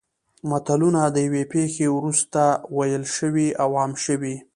متلونه د یوې پېښې وروسته ویل شوي او عام شوي